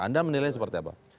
anda menilainya seperti apa